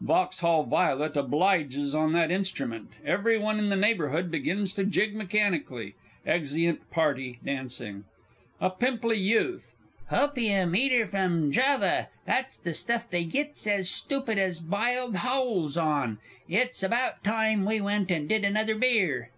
[VAUXHALL VOILET obliges on that instrument; every one in the neighbourhood begins to jig mechanically; exeunt party, dancing. A PIMPLY YOUTH. "Hopium eater from Java." That's the stuff they gits as stoopid as biled howls on it's about time we went and did another beer.